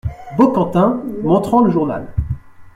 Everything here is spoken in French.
Baucantin , montrant le journal.